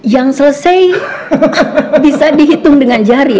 yang selesai bisa dihitung dengan jari